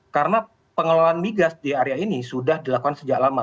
karena pengelolaan migas di area ini sudah dilakukan sejak lama